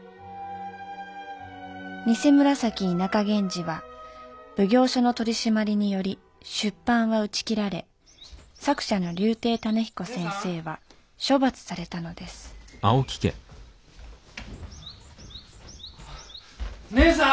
「偐紫田舎源氏」は奉行所の取締りにより出版は打ち切られ作者の柳亭種彦先生は処罰されたのです義姉さん！